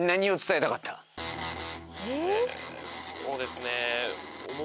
ええそうですね。